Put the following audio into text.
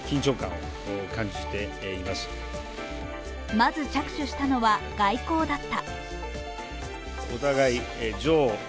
まず着手したのは外交だった。